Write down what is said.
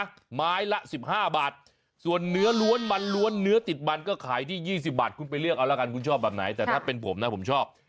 คุณไปเลือกเอาละกันคุณชอบแบบไหนแต่ถ้าเป็นผมนะผมชอบ